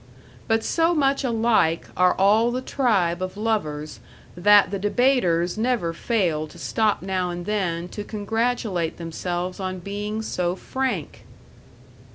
But so much alike are all the tribe of lovers, that the debaters never fail to stop now and then to congratulate themselves on being so frank!